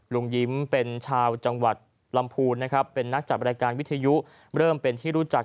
ลุงยิ้มเป็นชาวจังหวัดลำพูนนะครับเป็นนักจัดรายการวิทยุเริ่มเป็นที่รู้จัก